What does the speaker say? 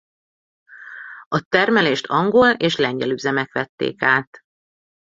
A termelést angol és lengyel üzemek vették át.